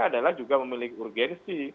adalah juga memiliki urgensi